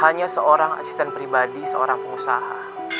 hanya seorang asisten pribadi seorang pengusaha